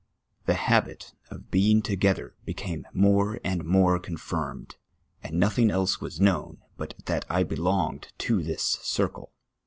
The habit of being together became more and more con finned, and nothing else was known but that I belonged to this circle.